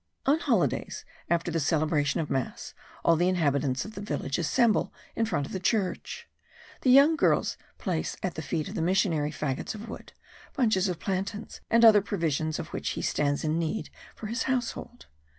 On holidays, after the celebration of mass, all the inhabitants of the village assemble in front of the church. The young girls place at the feet of the missionary faggots of wood, bunches of plantains, and other provision of which he stands in need for his household.